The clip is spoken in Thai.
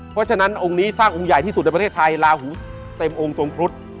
เพราะฉะนั้นองค์นี้สร้างองค์ใหญ่ที่สุดในประเทศไทยลาหูเต็มองค์ทรงครุฑ